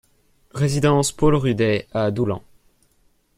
Résidence Paul Rudet à Doullens